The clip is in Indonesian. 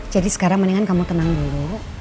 jadi sekarang mendingan kamu tenang dulu